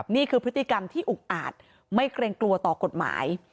นี่คือพฤติกรรมที่อุกอาจไม่เกรงกลัวต่อกฎหมาย